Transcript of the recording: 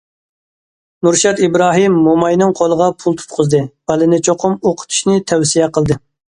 نۇرشات ئىبراھىم موماينىڭ قولىغا پۇل تۇتقۇزدى، بالىنى چوقۇم ئوقۇتۇشنى تەۋسىيە قىلدى.